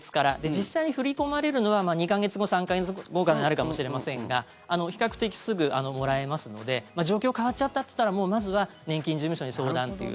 実際に振り込まれるのは２か月後、３か月後かになるかもしれませんが比較的すぐもらえますので状況変わっちゃったといったらもうまずは年金事務所に相談という。